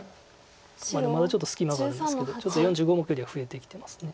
まだちょっと隙間があるんですけどちょっと４５目よりは増えてきてます。